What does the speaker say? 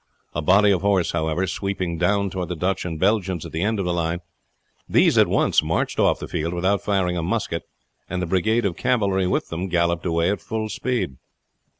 A body of horse, however, sweeping down toward the Dutch and Belgians at the end of the line, these at once marched off the field without firing a musket, and the brigade of cavalry with them galloped away at full speed.